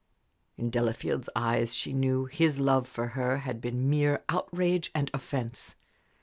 In Delafield's eyes, she knew, his love for her had been mere outrage and offence.